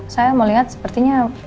saya melihat sepertinya